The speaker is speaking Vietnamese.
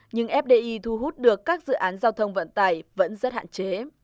nhưng fdi thu hút được các dự án giao thông vận tải vẫn rất hạn chế